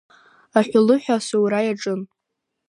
Аҳәылыҳәа асоура иаҿын.